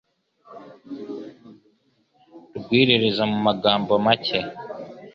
Rwiririza mu magambo make